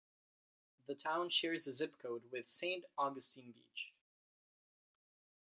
The town shares a zip code with Saint Augustine Beach.